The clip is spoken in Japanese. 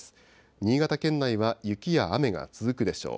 新潟県内は雪や雨が続くでしょう。